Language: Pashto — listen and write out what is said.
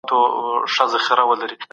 څوک به نه غواړي چي تش کړي